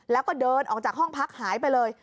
แล้วก็เดินออกจากห้องพักหายไปเลย